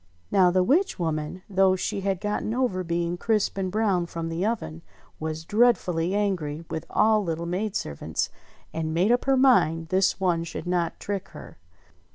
Now the witch woman, though she had got over being crisp and brown from the oven, was dreadfully angry with all little maid servants, and made up her mind this one should not trick her.